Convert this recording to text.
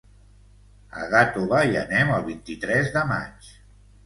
A Gàtova hi anem el vint-i-tres de maig.